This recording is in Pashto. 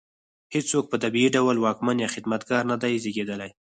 هېڅوک په طبیعي ډول واکمن یا خدمتګار نه دی زېږېدلی.